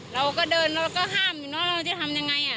เราก็เดินแล้วก็ห้ามเราจะทำอย่างไร